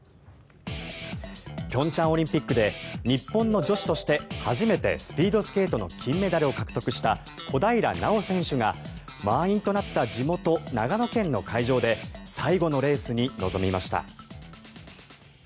平昌オリンピックで日本の女子として初めてスピードスケートの金メダルを獲得した小平奈緒選手が満員となった地元・長野県の会場で最後のレースに臨みました。